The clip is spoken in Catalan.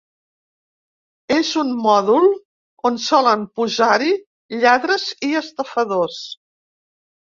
És un mòdul on solen posar-hi lladres i estafadors.